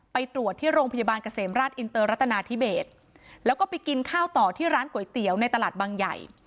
ไปตรวจที่โรงพยาบาลเกษมราชอินเตอร์รัตนาธิเบสแล้วก็ไปกินข้าวต่อที่ร้านก๋วยเตี๋ยวในตลาดบางใหญ่